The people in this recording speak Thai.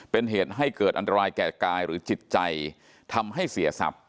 เป็นเหตุให้เกิดอันตรายแก่กายหรือจิตใจทำให้เสียทรัพย์